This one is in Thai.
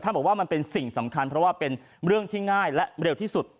บอกว่ามันเป็นสิ่งสำคัญเพราะว่าเป็นเรื่องที่ง่ายและเร็วที่สุด